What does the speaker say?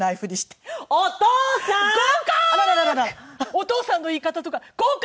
「お父さん」の言い方とか合格！